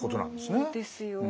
そうですよね。